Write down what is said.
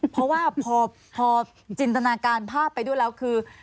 เพราะว่าพอจินตนาการภาพไปด้วยแล้วคือ